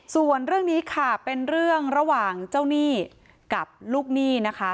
ส่วนเรื่องนี้ค่ะเป็นเรื่องระหว่างเจ้าหนี้กับลูกหนี้นะคะ